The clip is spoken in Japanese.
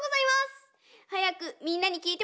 はやくみんなにきいてもらいたい！